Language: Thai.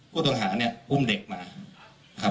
ผู้ตังหาอุ้มเด็กมา